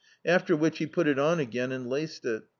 After which he put it on again and laced it.